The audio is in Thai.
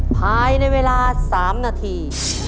ภายในเวลา๓นาที